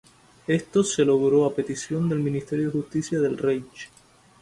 Esto se logró a petición del Ministerio de Justicia del Reich.